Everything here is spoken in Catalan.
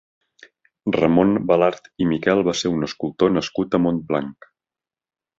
Ramon Belart i Miquel va ser un escultor nascut a Montblanc.